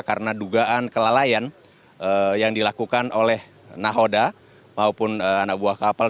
karena dugaan kelalaian yang dilakukan oleh nahoda maupun anak buah kapal